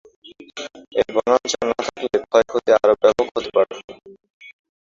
এই বনাঞ্চল না থাকলে ক্ষয়ক্ষতি আরো ব্যপক হতে পারত।